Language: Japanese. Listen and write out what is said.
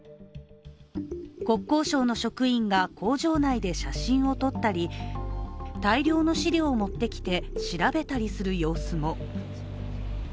国交省の職員が工場内で写真を撮ったり大量の資料を持ってきて調べたりする様子も。